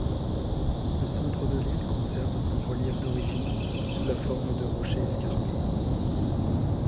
Le centre de l'île conserve son relief d'origine sous la forme de rochers escarpés.